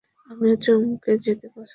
আমিও চমকে যেতে পছন্দ করি।